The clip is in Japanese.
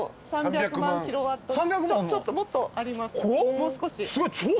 もう少し。